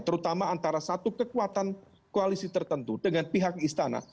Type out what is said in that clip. terutama antara satu kekuatan koalisi tertentu dengan pihak istana